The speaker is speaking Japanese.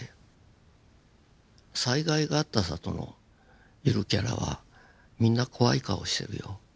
災害があった里のゆるキャラはみんな怖い顔をしてるよ。